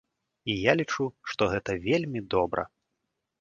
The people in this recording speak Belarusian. І я лічу, што гэта вельмі добра.